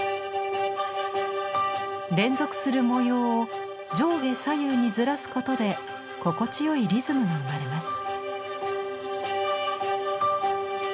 連続する模様を上下左右にずらすことで心地よいリズムが生まれます。